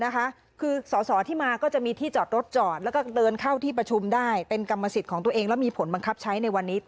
คือสอสอที่มาก็จะมีที่จอดรถจอดแล้วก็เดินเข้าที่ประชุมได้เป็นกรรมสิทธิ์ของตัวเองแล้วมีผลบังคับใช้ในวันนี้